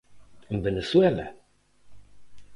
¿En Venezuela?